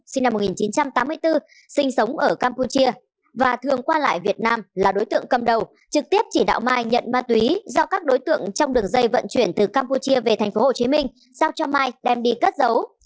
sinh năm một nghìn chín trăm tám mươi bốn sinh sống ở campuchia và thường qua lại việt nam là đối tượng cầm đầu trực tiếp chỉ đạo mai nhận ma túy do các đối tượng trong đường dây vận chuyển từ campuchia về tp hcm giao cho mai đem đi cất giấu